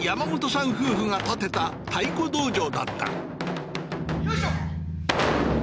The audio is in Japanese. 夫婦が建てた太鼓道場だったよいしょ！